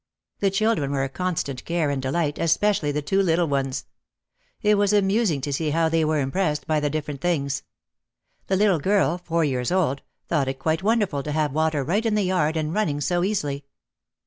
The children were a constant care and delight, espe cially the two little ones. It was amusing to see how they were impressed by the different things. The little girl, four years old, thought it quite wonderful to have water right in the yard and running so easily.